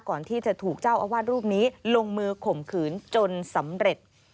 ก่อนที่จะถูกเจ้าอาวาสรูปนี้ลงมือข่มขืนจนสำเร็จ